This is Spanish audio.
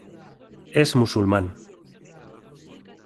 Es musulmán.